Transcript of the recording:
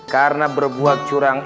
karena berbuat curang